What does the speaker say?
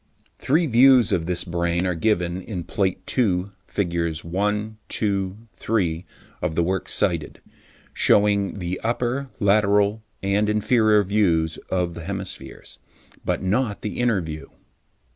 Three views of this brain are given in Plate II, figs. 1, 2, 3, of the work cited, shewing the upper, lateral and inferior views of the hemispheres, but not the inner view.